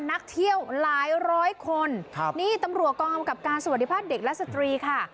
นักเที่ยวหลายร้อยคนครับนี่ตำรวจกองกำกับการสวัสดีภาพเด็กและสตรีค่ะ